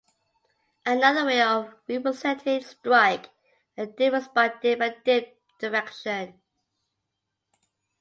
Another way of representing strike and dip is by dip and dip direction.